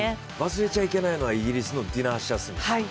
忘れちゃいけないのはイギリスのディナ・アッシャー・スミス。